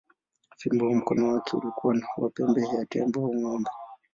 Fimbo au mkono wake ulikuwa wa pembe ya tembo au ng’ombe.